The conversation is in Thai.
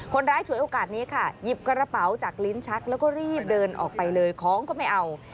ฉวยโอกาสนี้ค่ะหยิบกระเป๋าจากลิ้นชักแล้วก็รีบเดินออกไปเลยของก็ไม่เอา